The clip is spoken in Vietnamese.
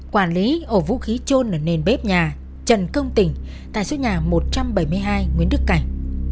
quản lý ổ vũ khí trôn ở nền bếp nhà trần công tỉnh tài xuất nhà một trăm bảy mươi hai nguyễn đức cảnh